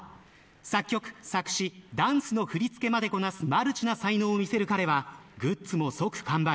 作曲、作詞、ダンスの振り付けまでこなすマルチな才能を見せる彼はグッズも即完売。